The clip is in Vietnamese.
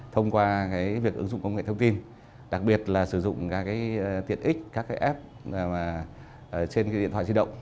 thông qua cái việc ứng dụng công nghệ thông tin đặc biệt là sử dụng các cái tiện ích các cái app trên cái điện thoại di động